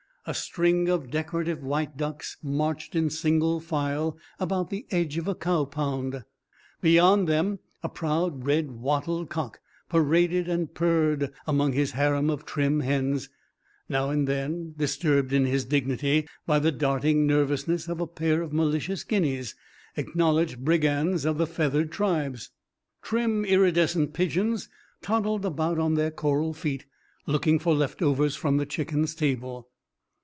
A string of decorative white ducks marched in single file about the edge of the cow pound. Beyond them a proud red wattled cock paraded and purred among his harem of trim hens, now and then disturbed in his dignity by the darting nervousness of a pair of malicious guineas, acknowledged brigands of the feathered tribes. Trim iridescent pigeons toddled about on their coral feet, looking for leftovers from the chickens' table.